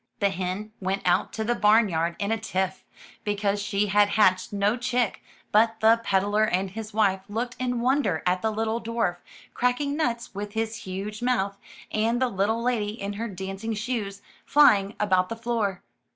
The hen went out to the barn 93 MY BOOK HOUSE yard in a tiff, because she had hatched no chick, but the peddler and his wife looked in wonder at the little dwarf, cracking nuts with his huge mouth, and the little lady in her dancing shoes, flying about the floor.